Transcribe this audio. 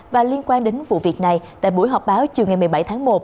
và liên quan đến vụ việc này tại buổi họp báo chiều ngày một mươi bảy tháng một